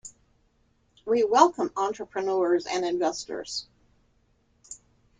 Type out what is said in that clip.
We welcome entrepreneurs and investors.